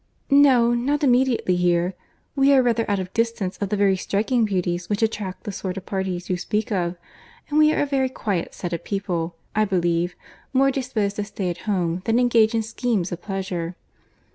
"No; not immediately here. We are rather out of distance of the very striking beauties which attract the sort of parties you speak of; and we are a very quiet set of people, I believe; more disposed to stay at home than engage in schemes of pleasure."